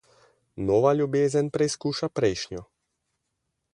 Nova ljubezen preizkuša prejšnjo.